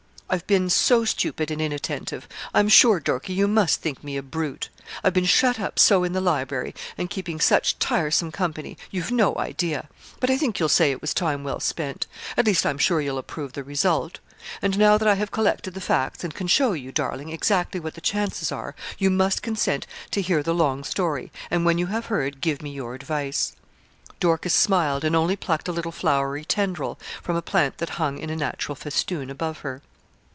I've been so stupid and inattentive. I'm sure, Dorkie, you must think me a brute. I've been shut up so in the library, and keeping such tiresome company you've no idea; but I think you'll say it was time well spent, at least I'm sure you'll approve the result; and now that I have collected the facts, and can show you, darling, exactly what the chances are, you must consent to hear the long story, and when you have heard, give me your advice.' Dorcas smiled, and only plucked a little flowery tendril from a plant that hung in a natural festoon above her.